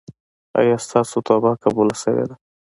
ایا ستاسو توبه قبوله شوې ده؟